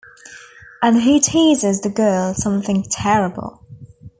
And he teases the girls something terrible.